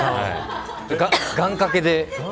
願掛けで。